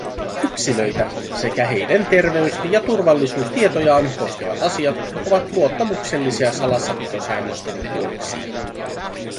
Yksilöitä sekä heidän terveys- ja turvallisuustietojaan koskevat asiat ovat luottamuksellisia salassapitosäännösten vuoksi.